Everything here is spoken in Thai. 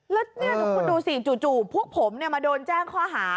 แล้วนี่คุณดูสิจู่พวกผมมาโดนแจ้งข้อหา